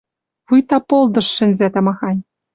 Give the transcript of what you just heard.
Вуйта полдыш шӹнзӓ тамахань.